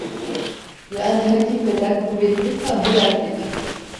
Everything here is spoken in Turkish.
Yani hakikaten kuvvetli, tam bir erkek.